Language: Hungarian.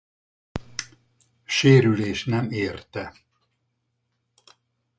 Sérülés nem érte.